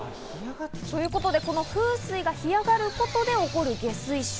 ということで封水が干上がることで起こる下水臭。